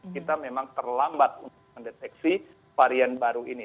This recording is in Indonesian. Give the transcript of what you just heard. kita memang terlambat untuk mendeteksi varian baru ini